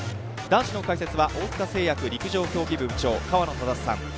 男子の解説は大塚製薬陸上競技部部長、河野匡さん。